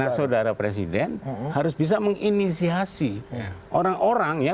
karena saudara presiden harus bisa menginisiasi orang orang ya